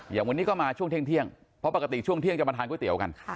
อย่างวันนี้ก็มาช่วงเที่ยงเพราะปกติช่วงเที่ยงจะมาทานก๋วยเตี๋ยวกัน